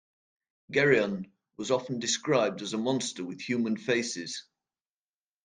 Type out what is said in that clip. Geryon was often described as a monster with human faces.